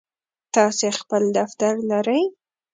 تاسی خپل دفتر لرئ؟